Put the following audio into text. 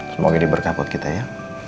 semoga jadi berkah buat kita ya